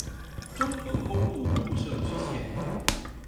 中橫公路霧社支線